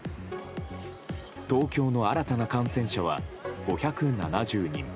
東京の新たな感染者は５７０人。